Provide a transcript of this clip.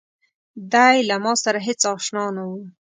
دی له ماسره هېڅ آشنا نه و.